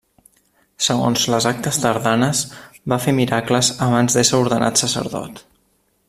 Segons les actes tardanes, va fer miracles abans d'ésser ordenat sacerdot.